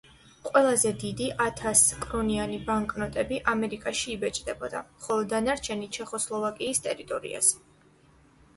ყველაზე დიდი ათას კრონიანი ბანკნოტები ამერიკაში იბეჭდებოდა, ხოლო დანარჩენი ჩეხოსლოვაკიის ტერიტორიაზე.